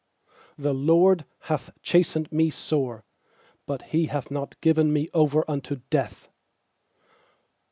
18The LORD hath chastened me sore; But He hath not given me over unto death.